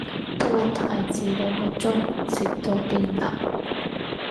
煲大致兩個鐘，直到變腍